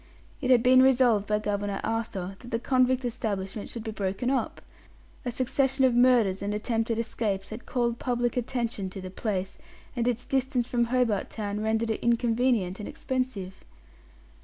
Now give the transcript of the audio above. It had been resolved by Governor Arthur that the convict establishment should be broken up. A succession of murders and attempted escapes had called public attention to the place, and its distance from Hobart Town rendered it inconvenient and expensive.